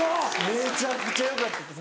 めちゃくちゃよかったです。